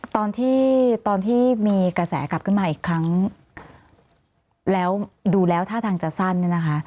ตอนที่ตอนที่มีกระแสกลับขึ้นมาอีกครั้งแล้วดูแล้วท่าทางจะสั้นเนี่ยนะคะ